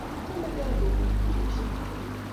Kichomegei kou tupcheshek